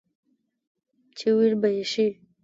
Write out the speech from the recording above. چې وېر به يې شي ،